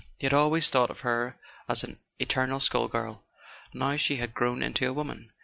He had always thought of her as an eternal schoolgirl; now she had growm into a woman.